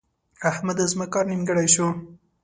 احمده! زما کار نیمګړی شو.